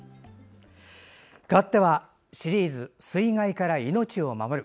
かわってはシリーズ「水害から命を守る」。